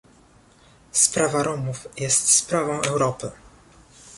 sprawa Romów jest sprawą Europy